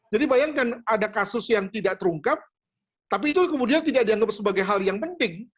jadi bayangkan ada kasus yang tidak terungkap tapi itu kemudian tidak dianggap sebagai hal yang penting